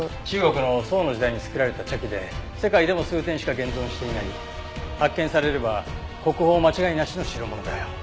中国の宋の時代に作られた茶器で世界でも数点しか現存していない発見されれば国宝間違いなしの代物だよ。